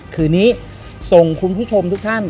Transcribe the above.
คืนนี้ส่งคุณผู้ชมทุกท่าน